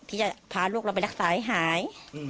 ที่จะพาลูกเราไปรักษาให้หาย